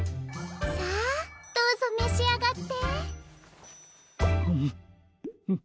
さあどうぞめしあがって。